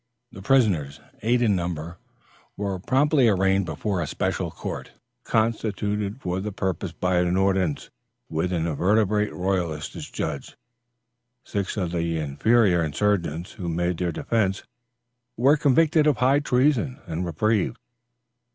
The prisoners, eight in number, were promptly arraigned before a special court, constituted for the purpose by an ordinance, with inveterate royalists as judges. Six of the inferior insurgents, who made their defence, were convicted of high treason and reprieved.